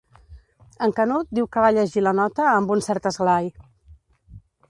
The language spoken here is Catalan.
En Canut diu que va llegir la nota amb un cert esglai.